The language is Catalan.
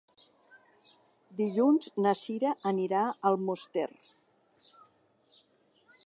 Dilluns na Cira anirà a Almoster.